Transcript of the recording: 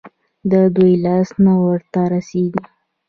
د دوى لاس نه ورته رسېږي.